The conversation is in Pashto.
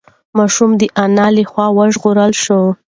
ماشوم د انا له خوا وژغورل شو.